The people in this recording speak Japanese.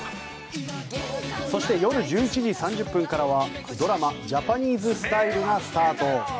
そして夜１１時３０分からはドラマ「ジャパニーズスタイル」がスタート。